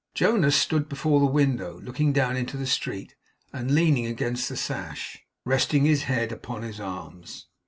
Jonas stood before the window, looking down into the street; and leaned against the sash, resting his head upon his arms.